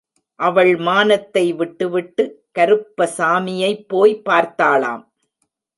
அவள் மானத்தை விட்டுவிட்டு, கருப்பசாமியை போய் பார்த்தாளாம்.